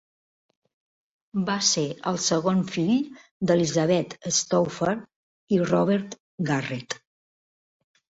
Va ser el segon fill d'Elizabeth Stouffer i Robert Garrett.